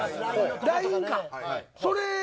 ＬＩＮＥか。